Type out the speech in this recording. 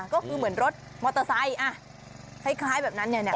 ก็คือเหมือนรถมอเตอร์ไซค์คล้ายแบบนั้นเนี่ย